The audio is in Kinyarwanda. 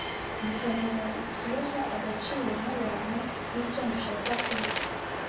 mukamenya ikibaha agaciro nk’abantu n’icyo mushaka kuba